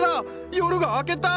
夜が明けた！